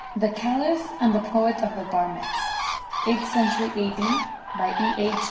THE CALIPH AND THE POET OF THE BARMEKS [Eighth century A.D.] BY E. H.